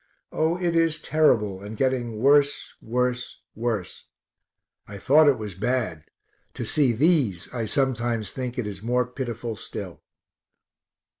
Oh, it is terrible, and getting worse, worse, worse. I thought it was bad; to see these I sometimes think is more pitiful still.